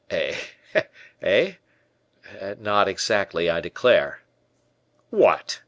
"Eh! eh! not exactly, I declare." "What!